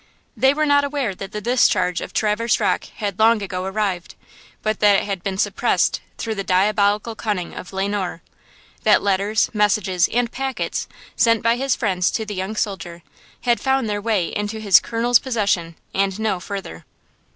They were not aware that the discharge of Traverse Rocke had long ago arrived, but that it had been suppressed through the diabolical cunning of Le Noir. That letters, messages and packets, sent by his friends to the young soldier, had found their way into his Colonel's possession and no further.